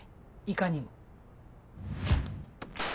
いかにも。